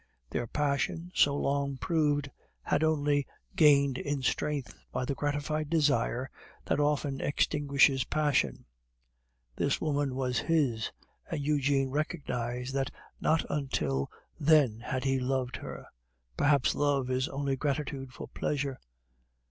Their passion, so long proved, had only gained in strength by the gratified desire that often extinguishes passion. This woman was his, and Eugene recognized that not until then had he loved her; perhaps love is only gratitude for pleasure.